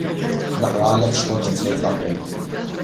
Naqralek x'kont qed ngħid qabel.